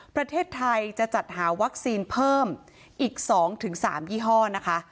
ประเทศไทยจะจัดหาวัคซีนเพิ่มอีก๒๓ยี่ห้อนะคะ